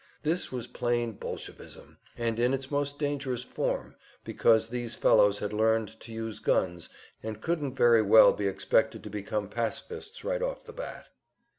This was plain Bolshevism, and in its most dangerous form, because these fellows had learned to use guns, and couldn't very well be expected to become pacifists right off the bat.